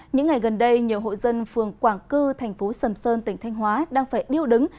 những ngày gần đây nhiều hộ dân phường quảng cư thành phố sầm sơn tỉnh thanh hóa đang phải điêu đứng